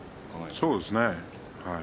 そうですね。